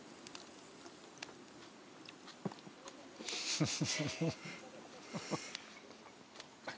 フフフフ。